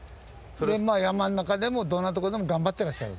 で山の中でもどんなとこでも頑張っていらっしゃる。